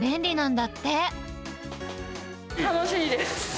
楽しいです。